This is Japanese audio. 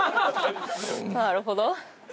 なるほど。